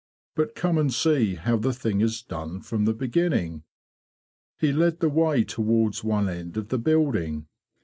But come and see how the thing is done from the beginning."' He led the way towards one end of the building.